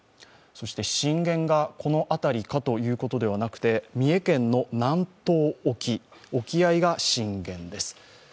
震源がこの辺りということではなくて、三重県の南東沖、沖合が震源です。